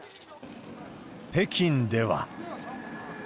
北京では。